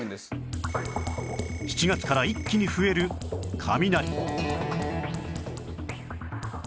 ７月から一気に増える雷